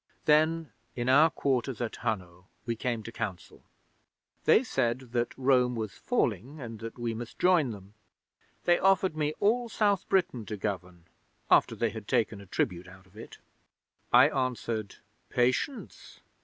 Then in our quarters at Hunno we came to Council. 'They said that Rome was falling, and that we must join them. They offered me all South Britain to govern after they had taken a tribute out of it. 'I answered, "Patience.